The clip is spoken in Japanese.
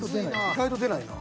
意外と出ないな。